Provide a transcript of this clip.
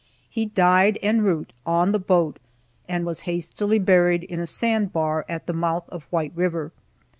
He died en route, on the boat, and was hastily buried in a sand bar at the mouth of White River.